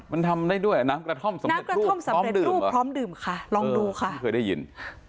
มันทำได้ด้วยน้ำกระท่อมน้ำกระท่อมสำเร็จรูปพร้อมดื่มค่ะลองดูค่ะเคยได้ยิน